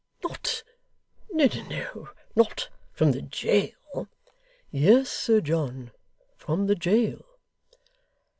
'Not no, no not from the jail?' 'Yes, Sir John; from the jail.